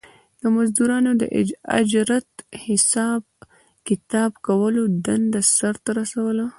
د مزدورانو د اجرت حساب کتاب کولو دنده سر ته رسوله